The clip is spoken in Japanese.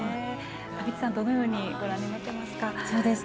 田口さん、どのようにご覧になっていますか。